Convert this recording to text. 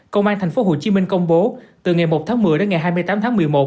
công an tp hcm công bố từ ngày một tháng một mươi đến ngày hai mươi tám tháng một mươi một